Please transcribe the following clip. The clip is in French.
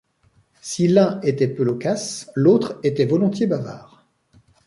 Si l’un était peu loquace, l’autre était volontiers bavard.